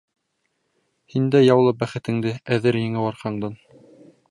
Һин дә яула бәхетеңде, Әҙер еңеү арҡаңдан.